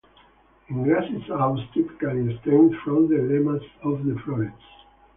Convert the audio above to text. In grasses awns typically extend from the lemmas of the florets.